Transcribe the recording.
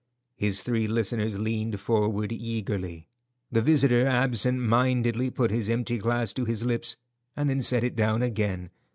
His three listeners leaned forward eagerly. The visitor absent mindedly put his empty glass to his lips and then set it down again.